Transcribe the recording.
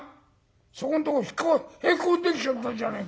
そこんとこへこんできちゃったじゃねえか。